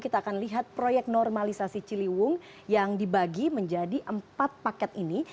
kita akan lihat proyek normalisasi ciliwung yang dibagi menjadi empat paket ini